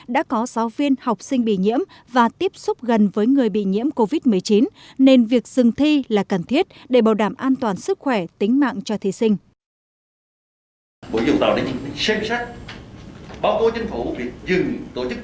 đã có sáu viên học sinh bị nhiễm và tiếp xúc gần với người bị nhiễm covid một mươi chín nên việc dừng thi là cần thiết để bảo đảm an toàn sức khỏe tính mạng cho thí sinh